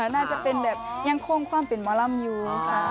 ก็น่าจะยังคงความเป็นมะลำยู